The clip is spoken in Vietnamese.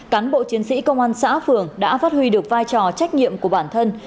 cán bộ chiến sĩ công an xã phường đã phát huy được vai trò trách nhiệm của bản thân